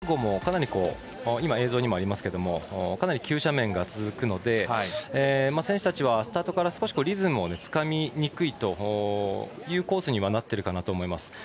スタート直後も、かなり映像にもありましたがかなり急斜面が続くので選手たちはスタートから少しリズムをつかみにくいコースにはなっていると思います。